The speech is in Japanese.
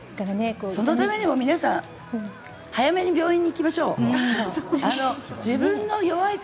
そのためにも今早めに病院に行きましょう。